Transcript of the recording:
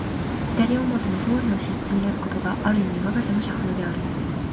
左表のとおりの支出になることが、ある意味わが社の社風である。